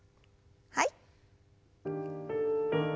はい。